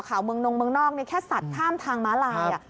เมืองนงเมืองนอกแค่สัตว์ข้ามทางม้าลาย